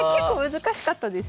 難しかったです。